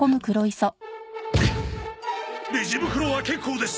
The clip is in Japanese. レジ袋は結構です！